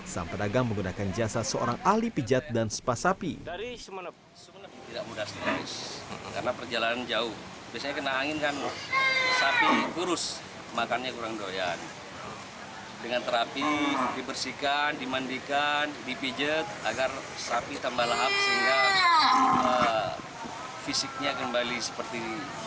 sang pedagang menggunakan jasa seorang ahli pijat dan spa sapi